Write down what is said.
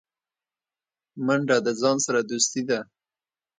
منډه د ځان سره دوستي ده